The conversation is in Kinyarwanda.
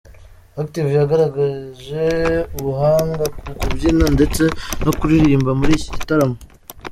Active yagaragaje ubuhanga mu kubyina ndetse no kuririmba muri iki gitaramo.